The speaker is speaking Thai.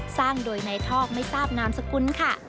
สร้างโดยนายทอกไม่ทราบนามสกุลค่ะ